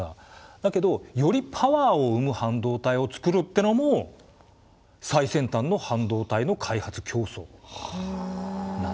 だけどよりパワーをうむ半導体をつくるってのも最先端の半導体の開発競争なんですよね。